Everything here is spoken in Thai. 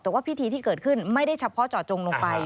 แต่ว่าพิธีที่เกิดขึ้นไม่ได้เฉพาะเจาะจงลงไป